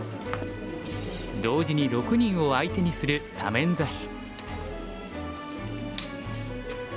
同時に６人を相手にする多面指し。